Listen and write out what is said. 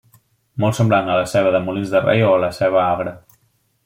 Molt semblant a la ceba de Molins de Rei o a la ceba agra.